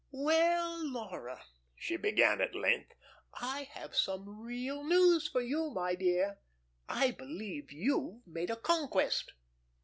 "Well, Laura," she began at length, "I have some real news for you. My dear, I believe you've made a conquest."